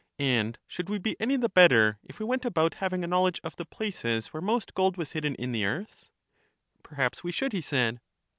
And should we be any the better if we went about having a knowledge of the places where most gold was hidden in the earth? Perhaps we should, he said.